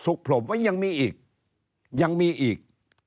ศุกร์ผลบว่ายังมีอีกยังมีอีก